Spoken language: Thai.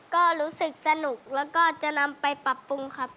ก็รู้สึกสนุกแล้วก็จะนำไปปรับปรุงครับ